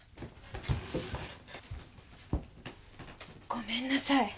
ごめんなさい。